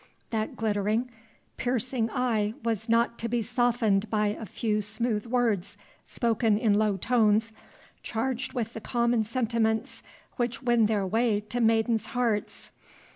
That glittering, piercing eye was not to be softened by a few smooth words spoken in low tones, charged with the common sentiments which win their way to maidens' hearts.